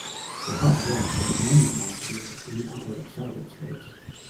The hot gas has many molecules in the upper excited states.